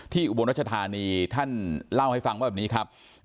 ที่อุบันนัชธานีท่านเล่าให้ฟังว่าอย่างนี้ครับ